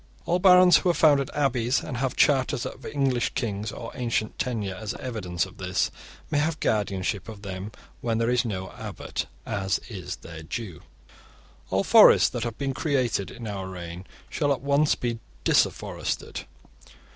(46) All barons who have founded abbeys, and have charters of English kings or ancient tenure as evidence of this, may have guardianship of them when there is no abbot, as is their due. (47) All forests that have been created in our reign shall at once be disafforested.